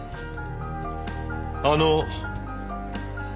あの。